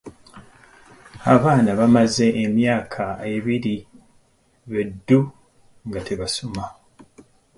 Abaana bamaze emyaka ebiri be ddu nga tebasoma.